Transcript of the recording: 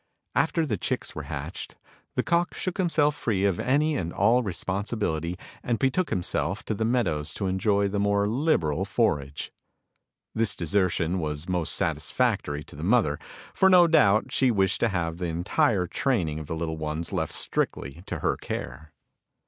After the chicks were hatched the cock shook himself free of any and all responsibility, and betook himself to the meadows to enjoy the more liberal forage. This desertion was most satisfactory to the mother, for no doubt she wished to have the entire training of the little ones left strictly to her care.